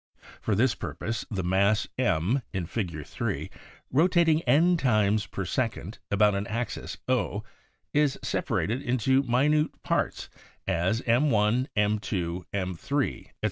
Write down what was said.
For this purpose the mass M (in Fig. 3), ro tating n times per second about an axis 0, is separated into minute parts, as mi, m2, m3, etc.